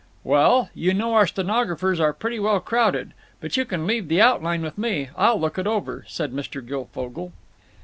"Well, you know our stenographers are pretty well crowded. But you can leave the outline with me. I'll look it over," said Mr. Guilfogle.